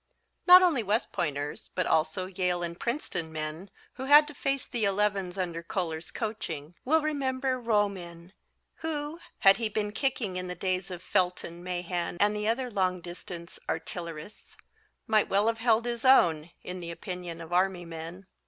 Not only West Pointers, but also Yale and Princeton men, who had to face the elevens under Koehler's coaching will remember Romeyn, who, had he been kicking in the days of Felton, Mahan and the other long distance artillerists, might well have held his own, in the opinion of Army men.